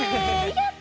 やった！